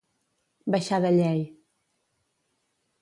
Baixar de llei.